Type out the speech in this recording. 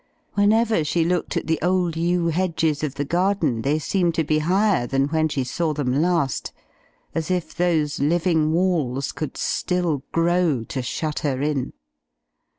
Whenever she looked at the old yew hedges of the garden they seemed to be higher than when she saw them last; as if those living walls could still grow to shut her in.